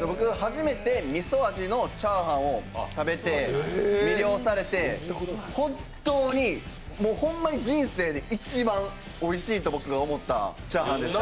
僕、初めてみそ味のチャーハンを食べて魅了されて本当に、もうほんまに人生で一番おいしいと僕が思ったチャーハンです。